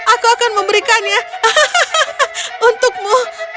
aku akan memberikannya untukmu